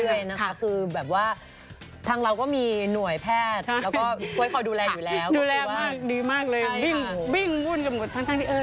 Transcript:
แบบรู้สึกนะคือแบบว่าทางเราก็มีหน่วยแพทย์